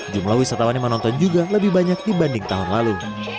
jumlah wisatawannya menonton juga lebih banyak dibanding tahun lalu